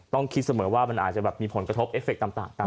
ต้องคิดเสมอว่ามันอาจจะมีผลกระทบเอฟเฟกต์ตาม